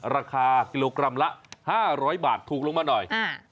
ราคากิโลกรัมละ๕๐๐บาทถูกลงมาหน่อย